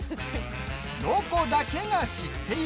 「ロコだけが知っている」